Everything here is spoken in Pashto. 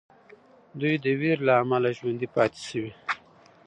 دوی د ویرې له امله ژوندي پاتې سوي.